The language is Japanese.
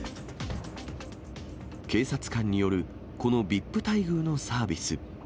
警察官によるこのＶＩＰ待遇のサービス。